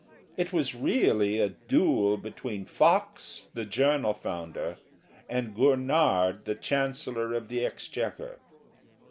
It was really a duel between Fox, the Journal founder, and Gurnard, the Chancellor of the Exchequer.